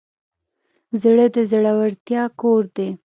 زړه د زړورتیا کور دی.